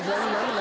何？